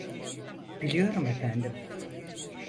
Biliyorum efendim.